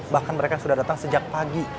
bahkan mereka sudah datang sejak pagi